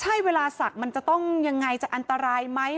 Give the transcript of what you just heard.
ใช่เวลาศักดิ์มันจะต้องยังไงจะอันตรายไหม